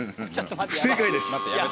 不正解です。